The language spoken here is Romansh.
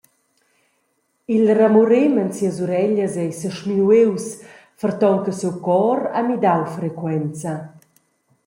Il ramurem en sias ureglias ei sesminuius, ferton che siu cor ha midau frequenza.